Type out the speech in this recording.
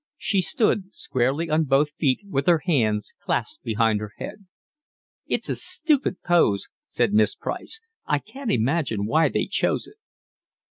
She stood, squarely on both feet with her hands clasped behind her head. "It's a stupid pose," said Miss Price. "I can't imagine why they chose it."